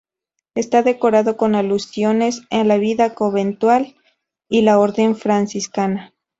Está decorado con alusiones a la vida conventual y la orden franciscana.